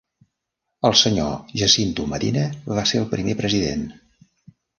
El Sr. Jacinto Medina va ser el primer president.